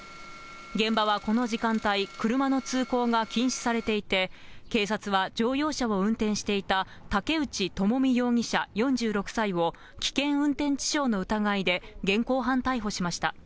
現場はこの時間帯、車の通行が禁止されていて、警察は、乗用車を運転していた竹内友見容疑者４６歳を、危険運転致傷の疑いで現行犯逮捕しました。